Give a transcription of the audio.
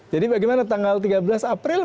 jadi bagaimana tanggal tiga belas april